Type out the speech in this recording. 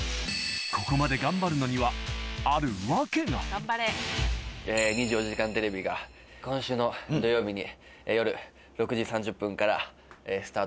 ここまで『２４時間テレビ』が今週の土曜日に夜６時３０分からスタートします。